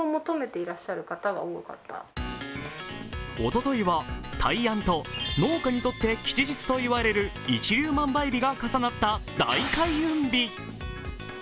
おとといは大安と農家にとって吉日といわれる一粒万倍日が重なった大開運日。